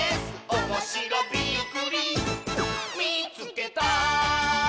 「おもしろびっくりみいつけた！」